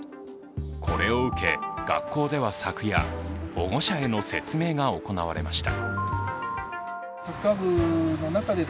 これを受け、学校では昨夜保護者への説明が行われました。